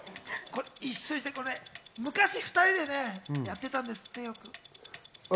昔２人でね、やってたんですって、よく。